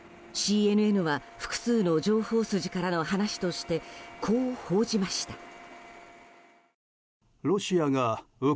ＣＮＮは複数の情報筋からの話としてこう報じました。